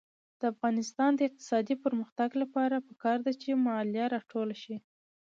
د افغانستان د اقتصادي پرمختګ لپاره پکار ده چې مالیه راټوله شي.